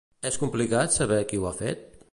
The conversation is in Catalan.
És complicat saber qui ho ha fet?